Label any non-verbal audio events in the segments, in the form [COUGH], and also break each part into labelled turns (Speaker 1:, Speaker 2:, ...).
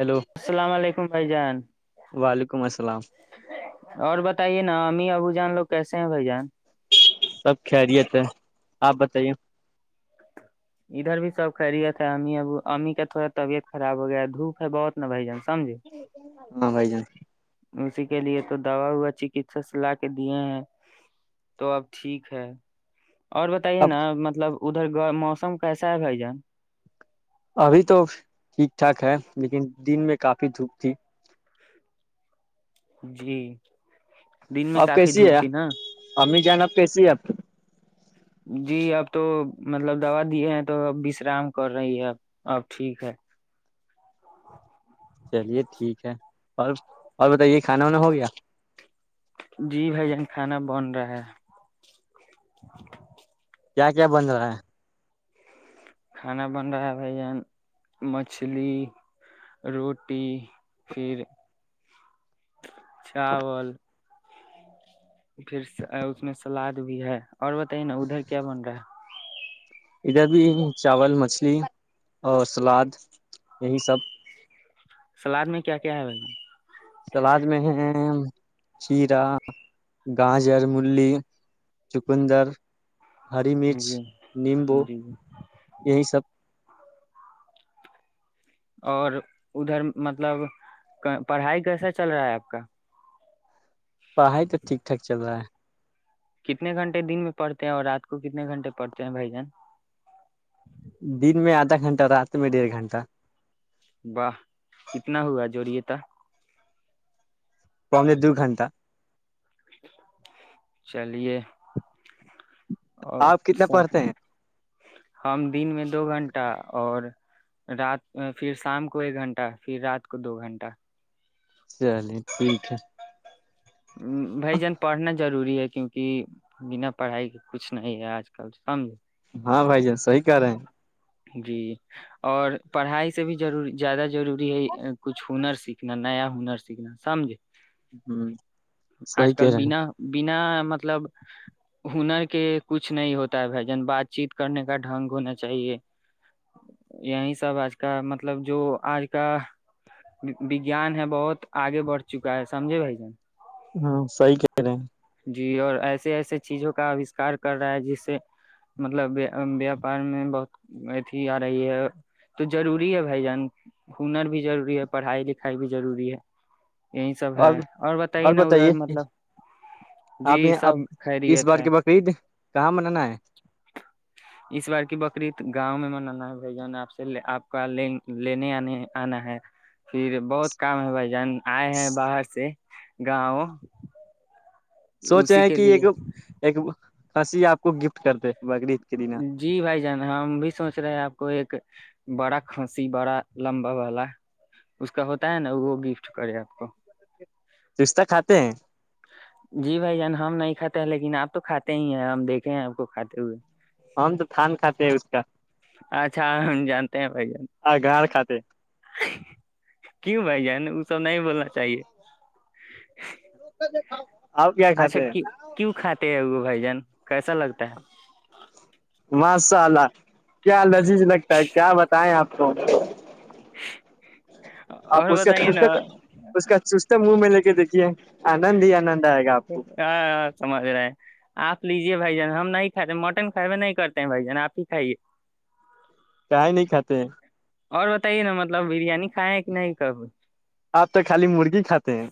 Speaker 1: hello
Speaker 2: السلام علیکم بھائی جان
Speaker 1: [UNINTELLIGIBLE]
Speaker 2: اور بتائیے نا امی ابو جان لوگ کیسے [UNINTELLIGIBLE]
Speaker 1: سب خیریت ہے آپ بتائیے
Speaker 2: ادھر بھی سب خیرییت ہے امی اب امی کا تھوڑا طبیعت خراب ہو گیا دھوپ ہے بہت نا بھائی جان سمجھے
Speaker 1: ہاں بھائی جان
Speaker 2: اسی کے لیے تو دوا وا چکسا س لا کے دیے ہیں تو اب ٹھیک ہے اور بتائیے
Speaker 1: اب
Speaker 2: نا مطلب ادھر موسم کیسا ہے بائی جان
Speaker 1: ابھی تو ٹھیک ٹھاک ہے لیکن دن میں کافی دھوپ تھی
Speaker 2: جی دن میں
Speaker 1: آپ
Speaker 2: کافی
Speaker 1: کیسی
Speaker 2: دھوپ
Speaker 1: ہے
Speaker 2: تھی نا
Speaker 1: امی جان آب کیسی ہے آپ
Speaker 2: جی اب تو مطلب دوا دیے ہیں تو اب وشرام کر رہی ہے اب اب ٹھیک ہے
Speaker 1: چلیے ٹھیک ہے اور اور بتائیے کھانا وانا ہو گیا
Speaker 2: جی بھائی جان کھانا بن رہا ہے
Speaker 1: کیا کیا بند رہا ہے
Speaker 2: کھانا بن رہا ہے بھائی یہان مچھلی روٹی پھر چاول پھر اس میں سلاد بھی ہے اور بتائیے نا ادھر کیا بن رہا ہے
Speaker 1: ادھر بھی چاول مچھلی اور سلاد یہی سب
Speaker 2: سلاد میں کیا کیا ہے بھیا
Speaker 1: سلاد میں ہے چیرا گاجر ملی چقندر ہری مرچ
Speaker 2: جی
Speaker 1: نیمبو
Speaker 2: جی جی
Speaker 1: یہی سب
Speaker 2: اور ادھر مطلب پڑھائی کیسا چل رہا ہے آپ کا
Speaker 1: پڑھائی تو ٹھیک ٹھاک چل رہا ہے
Speaker 2: کتنے گھنٹے دن میں پڑتے ہیں اور رات کو کتنے گھنٹے پڑھتے ہیں بھائی جان
Speaker 1: دن میں آدھا گھنٹہ رات میں ڈیڑھ گھنٹہ
Speaker 2: واہ کتنا ہوا جوڑیے ت
Speaker 1: پرم دو گھنٹہ
Speaker 2: چلیے اور
Speaker 1: آپ کتنا پڑھتے ہیں
Speaker 2: ہم دن میں دو گھنٹہ اور رات پھر شام کو ایک گھنٹہ پھر رات کو دو گھنٹہ
Speaker 1: چلیے ٹھیک ہے [UNINTELLIGIBLE]
Speaker 2: بائی جان پڑھنا ضروری ہے کیونکہ بنا پڑھائی کے کچھ نہیں ہے آج کل سمجھ
Speaker 1: ہاں بھائی جان صحی کہہ رہے ہیں
Speaker 2: جی اور پڑھائی سے بھیرور زیادہ ضروری ہے کچھ ہنر سیکھنا نیا ہنر سیکھنا سمجھ
Speaker 1: ہوں صی کہہ رہے ہیں
Speaker 2: نا مطلب ہنر کے کچھ نہیں ہوتا ہے بھ جن بات چیت کرنے کا ڈھنگ ہونا چاہیے یہی سب آج کا مطلب جو آج کا وجیان ہے بہت آگے بڑھ چکا ہے سمجھے بھائی جان
Speaker 1: ہاں صی کہ رہے ہیں
Speaker 2: جی اور ایسے ایسے چیزوں کا اوشکار کر رہا ہے جس سے مطلب ویاپار میں بہت اتھی آ رہی ہے تو ضروری ہے بھائی جان ہنر بھی ضروری ہے پڑھائی لکھائی بھی ضروری ہے یہی سب ہے اور بتائیے نا ادھر مطلب جی
Speaker 1: آپ یہ اب
Speaker 2: سب
Speaker 1: اس
Speaker 2: خیریت
Speaker 1: بار
Speaker 2: ہے
Speaker 1: کے بقرعید کہاں منانا ہے
Speaker 2: اس بار کی بکری گاؤں میں منانا ہے بھ جان آپ سے آپ کا لینے آنے آنا ہے پھر بہت کام ہے بھائی جان آئے ہیں باہر سے گاؤ
Speaker 1: سوچ رہے ہیں کہ ایک ایک کھنسی آپ کو گفٹ کر د
Speaker 2: جی بھائی جان ہم بھی سوچ رہے ہیں آپ کو ایک بڑا کھانسی بڑا لمبا والا اس کا ہوتا ہے نا وہ گفٹ کرے آپ کو
Speaker 1: رشتہ کھاتے ہیں
Speaker 2: جی بھائی جان ہم نہیں کاتے ہیں لیکن آپ تو کھاتے ہی ہیں ہم دیکے ہیں آپ کو کھاتے ہوئے
Speaker 1: ہم تو تھان کھاتے ہیں اس کا
Speaker 2: اچھا ہم جانتے ہیں بھائی جان
Speaker 1: اگار کھاتے ہیں
Speaker 2: کیوں بھائی جان وہ سب نہیں بولنا چاہیے
Speaker 1: آپ کیا
Speaker 2: اچھا
Speaker 1: کھاتے
Speaker 2: کیوں کھاتے ہیں وہ بھائی جان کیسا لگتا ہے
Speaker 1: مسءلہ کیا لذیذ لگتا ہے کیا بتائےیں آپ کو آپ
Speaker 2: اور
Speaker 1: اس
Speaker 2: بتائیے
Speaker 1: کا
Speaker 2: نا
Speaker 1: اس کا چست منہ میں لگے دیکھیے آنند ہی آنند آئے گا آپ کو
Speaker 2: ہاں سمجھ رہے ہیں آپ لیجیے بھائی جان ہم نہیں کھاتے مٹن کھائے ہوے نہیں کرتے ہیں بھائی جان آپ ہی کھائیے
Speaker 1: کئی نہیں کھاتے
Speaker 2: اور بتائیے نا مطلب بریانی کھائے ہے کہ نہیں کب
Speaker 1: آپ تو خالی مرغی کھاتے ہیں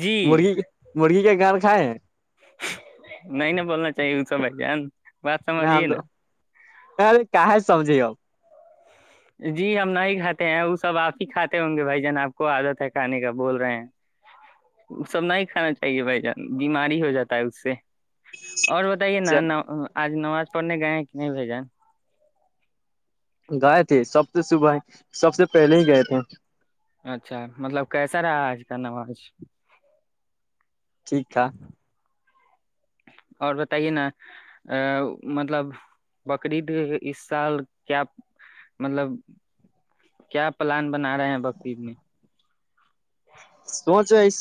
Speaker 2: جی
Speaker 1: مرغی مرغی کا گل کائے
Speaker 2: نہیں ن بولنا چاہیے اسا بھائی جان بات
Speaker 1: نہ
Speaker 2: سمجھیے
Speaker 1: ہم تو
Speaker 2: نا
Speaker 1: ارے کہ ہے سمجھے اپ
Speaker 2: جی ہم نہیں کھاتے ہیں وہ سب آپ ہی کھاتے ہوں گے بھائی جان آپ کو عادت ہے کھانے کا بول رہے ہیں سب نہیں کھانا چاہیے بھ جان بیماری ہو جاتا ہے اس سے اور بتائیے نا آج نواز پنے گئے ہیں کہ نہیں بھیجیں
Speaker 1: گائے تھے سب سے صبح ہی سب سے پہلے ہی گئے تھے
Speaker 2: اچھا مطلب کیسا رہا آج کا نماز
Speaker 1: ٹھیک تھاٹھ
Speaker 2: اور بتائیے نا ا مطلب بقرید اس سال کیا مطلب کیا پلان بنا رہے ہیں بقرید میں
Speaker 1: سوچو اس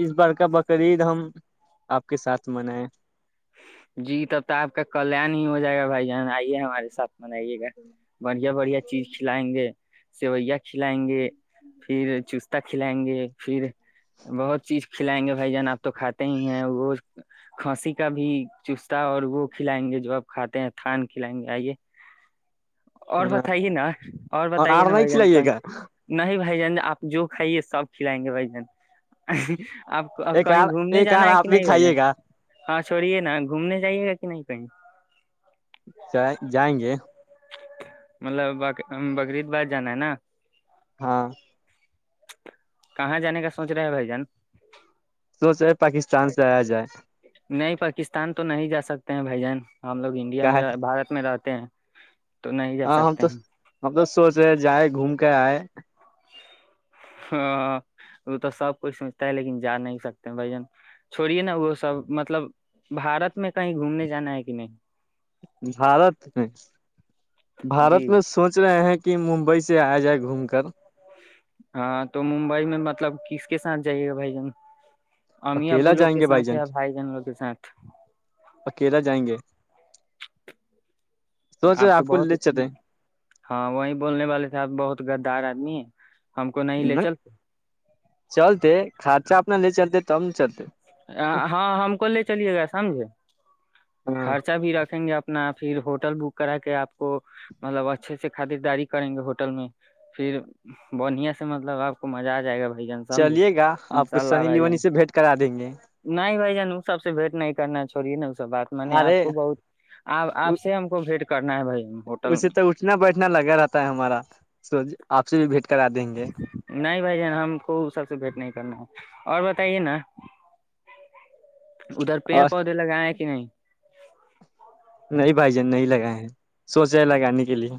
Speaker 1: اس بار کا بقرعید ہم آپ کے ساتھ منائے
Speaker 2: جی تب تو آپ کا کلن ہی ہو جائے گا بھائی جان آئیے ہمارے ساتھ بنائیے گا بڑھیا بڑھیا چیز کھلائیں گے سیوئیا کھلائیں گے پھر چستہ کھلائیں گے پھر بہت چیز کھلائیں گے بھائی جان آپ تو کھاتے ہی ہیں وہ کھانسی کا بھی چستا اور وہ کھلائیں گے جو آپ کھاتے ہیں تھان کھلائیں گے آئیے اور بتائیے نا اور بتائیے
Speaker 1: آر
Speaker 2: نا
Speaker 1: نہیں
Speaker 2: بھائی جن
Speaker 1: کھلائیے گا
Speaker 2: نہیں بائی بھ جن آپ جو کھائیے سب کھلائیں گے بھائی جن آپ
Speaker 1: ایک
Speaker 2: کہیں
Speaker 1: آر
Speaker 2: گھومنے
Speaker 1: ایک آر
Speaker 2: جانا ہے کہ
Speaker 1: آپ بھی
Speaker 2: نہیں بھیا
Speaker 1: کھائیے گا
Speaker 2: ہاں چڑیے نا گھومنے جائیے گا کہ نہیں کہیں
Speaker 1: جائیں گے
Speaker 2: مطلب بقریید باد جانا ہے نا
Speaker 1: ہاں
Speaker 2: کہاں جانے کا سوچ رہے ہے بھائی جان
Speaker 1: سوچ رہے پاکستان سے آیا جائے
Speaker 2: نہیں پاکستان تو نہیں جا سکتے ہیں بھائی جان ہم لوگ انڈیا
Speaker 1: کیا ہے
Speaker 2: میں رہ بارت میں رہتے ہیں تو نہیں جا
Speaker 1: ہاں ہم
Speaker 2: سکتے
Speaker 1: تو
Speaker 2: ہیں
Speaker 1: ہم تو سوچ رہے جائے گھوم کر آئے
Speaker 2: ہاں وہ تو سب کوئی سوچتا ہے لیکن جا نہیں سکتے بھ جن چھوڑیے نا وہ سب مطلب بھارت میں کہیں گھومنے جانا ہے کہ نہیں
Speaker 1: بھارت میں
Speaker 2: جی
Speaker 1: بھارت میں سوچ رہے ہیں کہ ممبئی سے آیا جائے گھوم کر
Speaker 2: ہاں تو ممبئی میں مطلب کس کے ساتھ جائیے گا بھائی جن امی ابو
Speaker 1: اکیلا
Speaker 2: لوگ
Speaker 1: جائیں
Speaker 2: کے
Speaker 1: گے
Speaker 2: ساتھ
Speaker 1: جان
Speaker 2: یا بھائی جن لوگ کے ساتھ
Speaker 1: اکیلا جائیں گے سوچ
Speaker 2: آپ
Speaker 1: رہے
Speaker 2: تو
Speaker 1: کو
Speaker 2: بہت
Speaker 1: لے چلتے
Speaker 2: ہاں وہی بولنے والے صاحب بہت گدار آدمی ہیں
Speaker 1: ہ چلتے خرچہ اتنا لے چلتے تب چلتے
Speaker 2: ہاں ہم کو لے چلیے گا سمجھے
Speaker 1: ہاں
Speaker 2: خرچہ بھی رکھیں گے آپ اپنا پھر ہوٹل بک کرا کے آپ کو مطلب اچھے سے خریداری کریں گے ہوٹل میں پھر بڑھیا سے مطلب آپ کو مزہ آ جائے گا بھائی جان سمجھے
Speaker 1: چلیے گا آپ
Speaker 2: انشاء
Speaker 1: کچھ
Speaker 2: اللہ
Speaker 1: سنی
Speaker 2: بھائی جان
Speaker 1: لیونی سے بھیٹ کرا دیں گے
Speaker 2: نہیں بھائی جانو سب سے بھیٹ نہیں کرنا چھورہیے نا س بات م نے آپ
Speaker 1: ارے
Speaker 2: کو بہت آپ آپ سے ہم کو بھیٹ کرنا ہے بھائی ہم ہوٹل
Speaker 1: اسے
Speaker 2: میں
Speaker 1: تو اٹھنا بیٹھنا لگا رہتا ہے ہمارا سو آپ سے بھیٹ کرا دیں گے
Speaker 2: نہیں بھائی جان ہم کو سب سے بھیٹ نہیں کرنا ہے اور بتائیے نا ادھر پیڑ
Speaker 1: اور
Speaker 2: پودے لگائے کہ کہ نہیں
Speaker 1: نہیں بھائی جان نہیں لگائے ہیں سوچے ہے لگانے کے لیے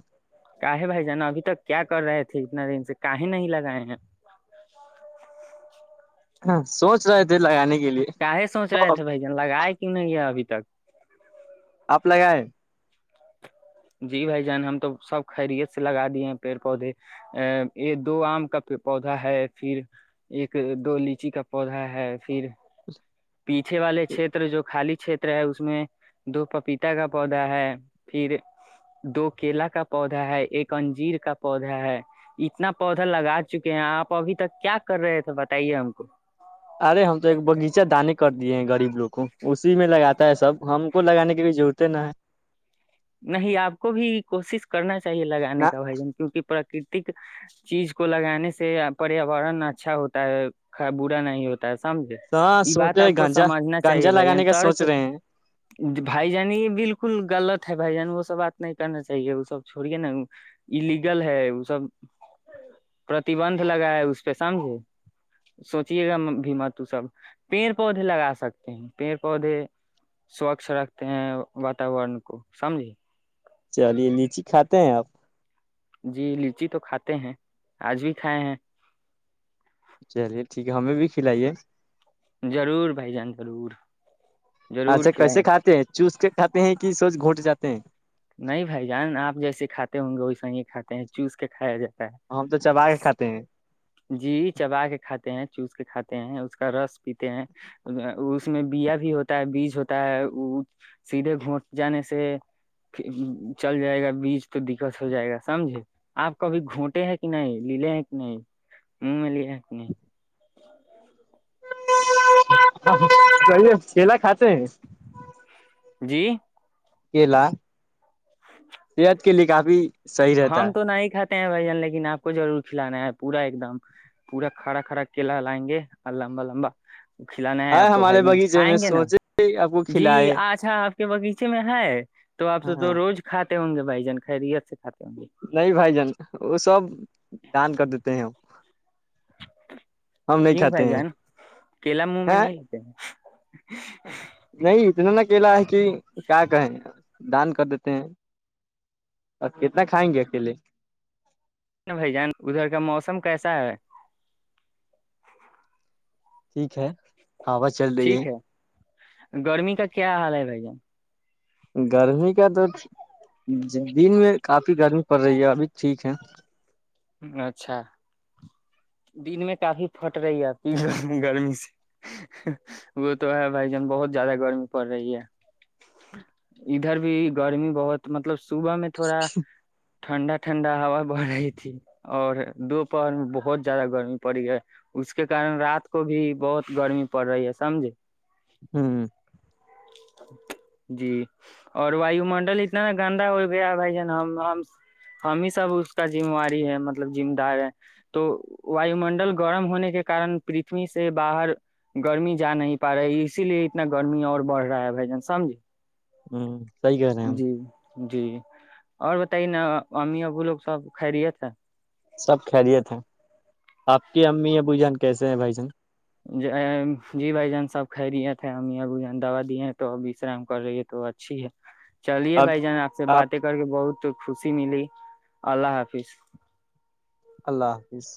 Speaker 2: کااہے بھائی جانا ابھی تک کیا کر رہے تھے اتنا دن سے کاہے نہیں لگائے ہیں
Speaker 1: ہاں سوچ رہے تھے لگانے کی
Speaker 2: کاے سوچ رہے تھے بھائی جان لگائے کیوں نہیں ہے ابھی تک
Speaker 1: آپ لگائیں
Speaker 2: جی بھائی جان ہم تو سب خیریت سے لگا دیے ہیں پیڑ پودے ا یہ دو آم کا پودا ہے پھر ایک دو لیچی کا پودا ہے پھر پیچھے والے چھیتر جو خالی چتر ہے اس میں دو پپیتا کا پودا ہے پھر دو کیلا کا پودا ہے ایک انجیر کا پودا ہے اتنا پودا لگا چکے ہیں آپ ابھی تک کیا کر رہے تھے بتائیے ہم کو
Speaker 1: ارے ہم تو ایک باغیچہ دانے کر دیے ہیں غریب لوگ اسی میں لگاتا ہے سب ہم کو لگانے کے بھی جوتے نہا ہے
Speaker 2: نہیں آپ کو بھی کوسس کرنا چاہیے
Speaker 1: نہ
Speaker 2: لگانے کا بجن کیونکہ پرکتی چیز کو لگانے سے پریاورن اچھا ہوتا ہے برا نہیں ہوتا سمجھے
Speaker 1: ہاں
Speaker 2: یہ بات
Speaker 1: سوچے
Speaker 2: آپ کو
Speaker 1: گنجا
Speaker 2: سمجھنا چاہیے
Speaker 1: گنجا
Speaker 2: بھائی جان
Speaker 1: لگانے کا
Speaker 2: ترک
Speaker 1: سوچ رہے ہیں
Speaker 2: بھائی جان یہ بالکل غلط بھائی جان وہ سب بات نہیں کرنا چاہیے وہ سب چھوڑیے نالیگل ہے وہ سب پرتیبندند لگاائے اس پہ سمجھے سوچیے گا بھی مت سب پیڑ پودے لگا سکتے ہیں پیڑ پودے سوچھ رکھتے ہیں واتاورن کو سمجھیے
Speaker 1: چلیے لیچی کھاتے ہیں آپ
Speaker 2: جی لچی تو کھاتے ہیں آج بھی کھائے ہیں
Speaker 1: چلیے ٹھیک ہے ہمیں بھی کھلائیے
Speaker 2: ضرور بھائی جان ضرور ضرور
Speaker 1: اچھا کیسے
Speaker 2: کھلائیں
Speaker 1: کھاتے ہیں چوس کے کھاتے ہیں کہ سوچ گھونٹ جاتے ہیں
Speaker 2: نہیں بھائی جان آپ جیسے کھاتے ہوں گے ویسا ہی کھاتے ہیں چوس کے کھایا جائے
Speaker 1: ہم تو چبا کے کھاتے ہیں
Speaker 2: جی چبا کے کھاتے چوس کے کھاتے ہیں اس کا رس پیتے ہیں اس میں بیا بھی ہوتا ہے بیج ہوتا ہے سیدھے گھونٹ جانے سے چل جائے گا بیج تو دقت ہو جائے گا سمجھے آپ کبھی گھونٹے ہیں کہ نہیں ل لے ہیں کہ نہیں [UNINTELLIGIBLE]
Speaker 1: جیے چلا کھات ہیں
Speaker 2: جی
Speaker 1: کلا صحت کے لیے کافی صحیح رہتا
Speaker 2: ہمم
Speaker 1: ہے
Speaker 2: تو نہیں خ ہیں بھ جان لیکن آپ کو ضرور کھلانا ہے پورا ایک دم پورا کڑا کرا کیلا لائیں گے اور لمبا لمبا کھلانا ہے آپ کو بھائی
Speaker 1: ہمارے
Speaker 2: جان
Speaker 1: باغیچے میں
Speaker 2: کھائیں گے نا
Speaker 1: سوچے آپ کو
Speaker 2: جی
Speaker 1: کھلائے
Speaker 2: اچھا کے باغیچے میں ہے تو آپ سے
Speaker 1: ہاں
Speaker 2: تو روز کھ ہوں گے بائی جان خائی ریت سےات
Speaker 1: نہیں بھائی جان وہ سب دان کر دیتے ہیں ہم نہیں
Speaker 2: کیوں بھائی
Speaker 1: کھاتے ہیں
Speaker 2: جان کیلا منہ میں
Speaker 1: ہے
Speaker 2: نہیں لیتے ہیں
Speaker 1: نہیں اتنا ل گلا ہے کہ کیا کہیں گ دان کر دیتے ہیں اور کتنا کھائیں گے اکیلے
Speaker 2: جن بھائی جان ادھر کا موسم کیسا ہے
Speaker 1: ٹھیک ہے ہاں بس چل رہی ہے
Speaker 2: ٹھیک گرمی کا کیا حال ہے بھائی جان
Speaker 1: گرمی کا تو دن میں کافی گرمی پڑ رہی ہے ابھی ٹھیک ہے
Speaker 2: اچھا دن میں کافی پھٹ رہی ہے ا گرمی سے وہ تو ہے بھائی جان بہت زیادہ گرمی پڑ رہی ہے ادھر بھی گرمی بہت مطلب صوبح میں تھوڑا ٹھنڈا ٹھنڈا ہوا بڑھ رہی تھی اور دوپہر میں بہت زیادہ گرمی پڑی ہے اس کے کن رات کو بھی بہت گرمی پڑ رہی ہے سمجھے
Speaker 1: ہوں
Speaker 2: جی اور وایو منڈل اتنا گندا ہو گیا بھائی جان ہم ہم ہی سب اس کا موار مطلب م دار ہے تو وای منڈل گرم ہونے کے کن پرتھوی سے باہر گرمی جا نہیں پا رہی اسی لیے اتنا گرمی اور بڑھ رہا ہے بھ جان سمج
Speaker 1: ہوں صحی کہہ رہے ہیں ہم
Speaker 2: جی اور بتائیے نا امی ابو لوگ سب خھرییت اچھا
Speaker 1: سب خیریت ہے آپ کی امی یا بو جان کیسے ہیں بھائی جان
Speaker 2: جی بھائی جان سب کھرییے تھے ا ا ب جان دوا دیے ہیں تو ابشرام کر رہی ہے تو اچھی ہے چلیے
Speaker 1: اب
Speaker 2: بھائی جان آپ سے باتیں کر کے بہت خوشی ملی اللہ حافظ
Speaker 1: اللہ حافظ